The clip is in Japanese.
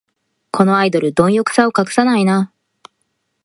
このアイドル、どん欲さを隠さないな